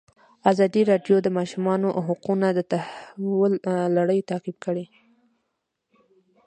ازادي راډیو د د ماشومانو حقونه د تحول لړۍ تعقیب کړې.